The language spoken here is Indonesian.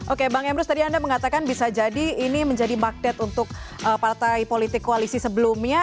oke bang emrus tadi anda mengatakan bisa jadi ini menjadi magnet untuk partai politik koalisi sebelumnya